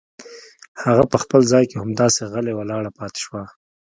هغه په خپل ځای کې همداسې غلې ولاړه پاتې شوه.